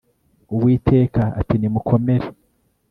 uwiteka ati nimukomere